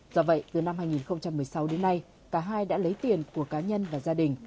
do vậy từ năm hai nghìn một mươi sáu đến nay cả hai đã lấy tiền của cá nhân và gia đình